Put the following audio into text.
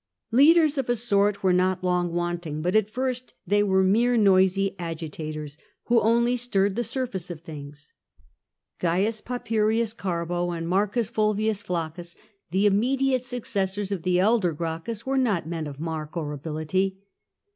Leaders of a sort were not long wanting, but at first they were mere noisy agitators, who only stirred the surface of things. C. Papirius Carbo and M. Fulvius Placcus, the immediate successors of the elder Gracchus, were not men of mark or ability.